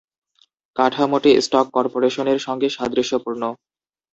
কাঠামোটি stock corporation এর সঙ্গে সাদৃশ্যপূর্ণ।